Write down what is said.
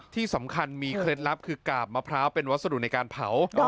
ที่สำคัญมีเคล็ดลับคือกาบมะพร้าวเป็นวัสดุในการเผา